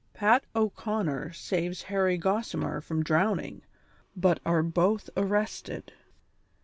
PAT O'CONNER SAVES HARRY GOSSIMER FROM DROWN ING, BUT ARE BOTH ARRESTED.